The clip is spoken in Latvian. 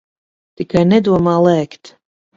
Tikai nedomā lēkt.